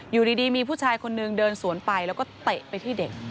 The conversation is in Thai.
อยู่ดีมีผู้ชายคนนึงเดินสวนไปแล้วก็เตะไปที่เด็ก